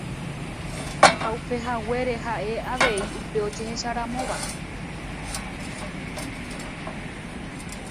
Ha upehaguére ha'e avei upe ojehecharamovéva.